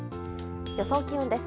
予想気温です。